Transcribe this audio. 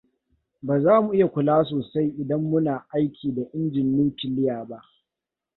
Baza mu iya kula sosai idan muna aiki da injin nukuliya ba.